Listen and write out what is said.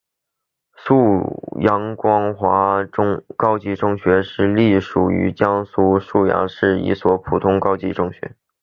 溧阳市光华高级中学是隶属于江苏省溧阳市的一所普通高级中学。